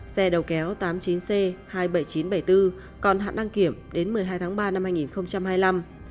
xe đầu kéo tám mươi chín c hai mươi bảy nghìn chín trăm bảy mươi bốn còn hạn đăng kiểm đến một mươi hai tháng ba năm hai nghìn hai mươi năm